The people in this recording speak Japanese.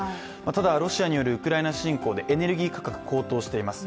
ただ、ロシアによるウクライナ侵攻でエネルギー価格が高騰しています。